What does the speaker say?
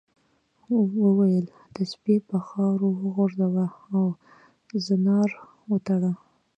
وویل تسبیح په خاورو وغورځوه او زنار وتړه.